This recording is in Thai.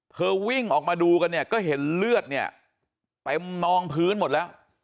เธอวิ่งออกมาดูกันก็เห็นเลือดไปมองพื้นหมดแล้ว